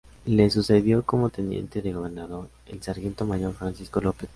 Le sucedió como teniente de gobernador el sargento mayor Francisco López Conejo.